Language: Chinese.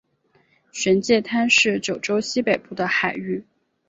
玄界滩是九州西北部的海域。